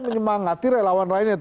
menyemangati relawan lainnya